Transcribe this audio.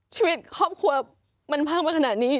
ชีวิตครอบครัวมันเพิ่มมาขนาดนี้